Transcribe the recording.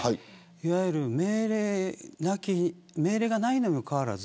いわゆる命令がないにもかかわらず